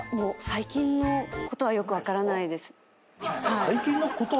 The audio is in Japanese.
最近のことはよく分からない。